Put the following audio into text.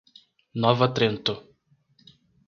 Nova Trento